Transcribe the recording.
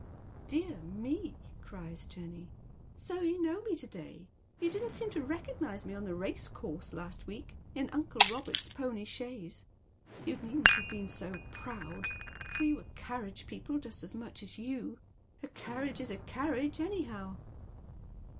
" De ah me !" cries Jenny, " So you know me to day ; you didn't seem to recognise me on the racecourse last week, in uncle Robert's pony chaise. You needn't have been so proud. We were carriage people just as much as you. A carriage is • carriage anyhow."